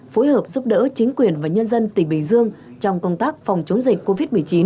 phối hợp giúp đỡ chính quyền và nhân dân tỉnh bình dương trong công tác phòng chống dịch covid một mươi chín